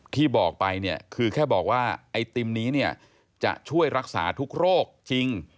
ที่บอกไปเนี่ยคือแค่บอกว่าไอติมนี้เนี่ยจะช่วยรักษาทุกโรคจริง